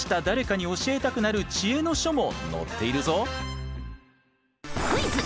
誰かに教えたくなる知恵の書も載っているぞ。